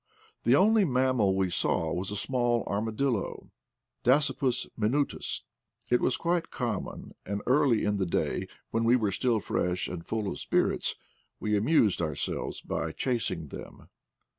The only mammal we saw was a small .arma dillo, Dasypus minutus; it was quite common, and early in the day, when we were still fres^ and full of spirits, we amused ourselves by chasing them.